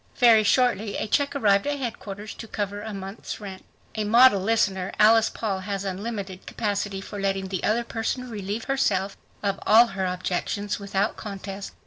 Very shortly a check arrived at headquarters to cover a month's rent. A model listener, Alice Paul has unlimited capacity for letting the other person relieve herself of all her objections without contest.